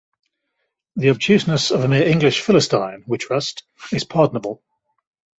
The obtuseness of a mere English Philistine we trust is pardonable.